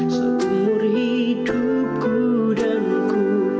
seluruh hidupku dan ku